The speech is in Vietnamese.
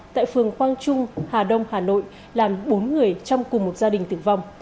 tại phường quang trung hà đông hà nội làm bốn người trong cùng một gia đình tử vong